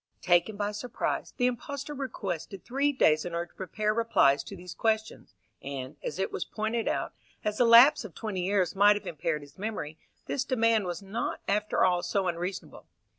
Taken by surprise, the impostor requested three days in order to prepare replies to these questions; and, as it was pointed out, as the lapse of twenty years might have impaired his memory, this demand was not, after all, so unreasonable.